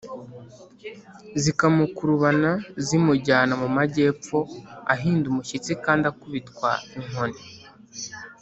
zikamukurubana zimujyana mu majyepfo ahinda umushyitsi kandi akubitwa inkoni.